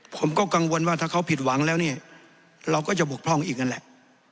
ผมก็กังวลว่าถ้าเขาผิดหวังแล้วเนี่ยเราก็จะบกพร่องอีกนั่นแหละ